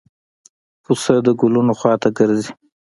پسه د ګلونو خوا ته ګرځي.